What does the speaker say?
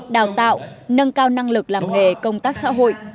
đào tạo nâng cao năng lực làm nghề công tác xã hội